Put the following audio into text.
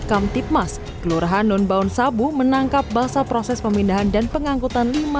kamtipmas kelurahan non baun sabu menangkap basah proses pemindahan dan pengangkutan